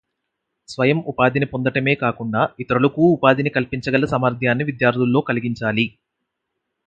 స్వయం ఉపాధిని పొందటమే కాకుండా ఇతరులకూ ఉపాధిని కల్పించగల సామర్థ్యాన్ని విద్యార్థుల్లో కలిగించాలి